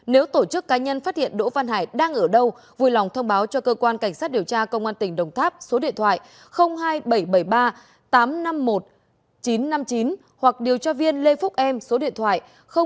nếu tổ chức cá nhân phát hiện đỗ văn hải đang ở đâu vui lòng thông báo cho cơ quan cảnh sát điều tra công an tỉnh đồng tháp số điện thoại hai nghìn bảy trăm bảy mươi ba tám trăm năm mươi một chín trăm năm mươi chín hoặc điều tra viên lê phúc em số điện thoại chín trăm bảy mươi bảy chín trăm linh hai nghìn sáu trăm hai mươi sáu